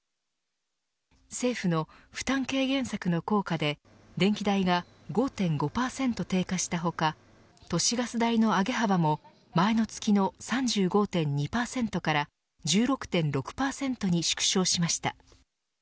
政府の負担軽減策の効果で電気代が５．５％低下した他都市ガス代の上げ幅も前の月の３５．２％から１６．６％に縮小しました。